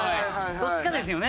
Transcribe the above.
どっちかですよね。